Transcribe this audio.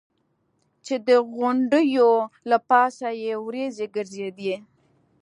چې د غونډیو له پاسه یې ورېځې ګرځېدې.